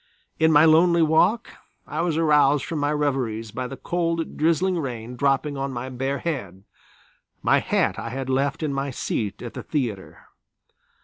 In my lonely walk I was aroused from my reveries by the cold drizzling rain dropping on my bare head, my hat I had left in my seat at the theatre.